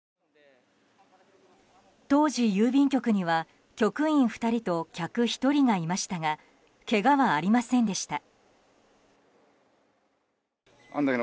当時、郵便局には局員２人と客１人がいましたがけがはありませんでした。